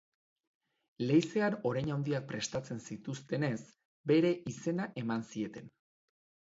Leizean orein handiak prestatzen zituztenez, bere izena eman zieten.